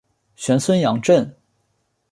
玄孙杨震。